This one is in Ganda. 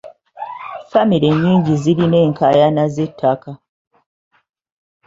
Famire nnyingi zirina enkaayana z'ettaka.